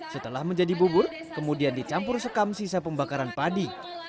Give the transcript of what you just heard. setelah menjadi bubur kemudian dicampur sekam sisa pembakaran padi